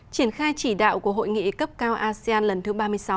triển khai chỉ đạo của hội nghị cấp cao asean lần thứ ba mươi sáu